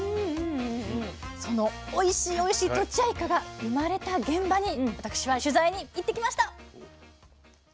そのおいしいおいしいとちあいかが生まれた現場に私は取材に行ってきました。